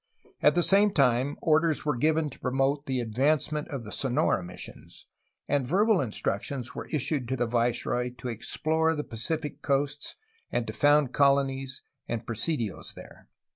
At the same time orders were given to promote the advancement of the Sonora missions ; and verbal instructions were issued to the viceroy to explore the Pacific coasts and to found colonies and presidios there.